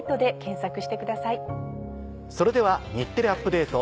それでは『日テレアップＤａｔｅ！』